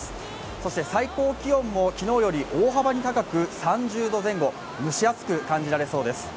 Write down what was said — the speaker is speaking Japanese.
そして最高気温も昨日より大幅に高く３０度前後、蒸し暑く感じられます。